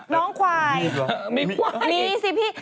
น้องควายนี่สิพี่